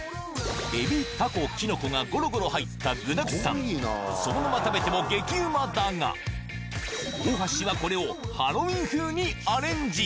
エビ、タコ、キノコがごろごろ入った具だくさん、そのまま食べても激うまだが、大橋がこれをハロウィーン風にアレンジ。